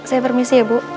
saya permisi ya bu